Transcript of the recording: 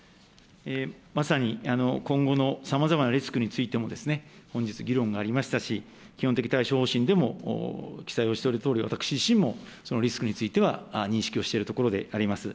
まさに今後のさまざまなリスクについても、本日議論がありましたし、基本的対処方針でも記載をしているとおり、私自身もそのリスクについては認識をしているところであります。